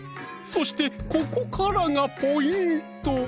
そしてここからがポイント